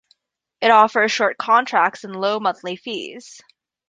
It offers short contracts and low monthly fees.